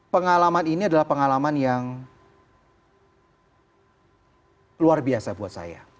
pengalaman ini adalah pengalaman yang luar biasa buat saya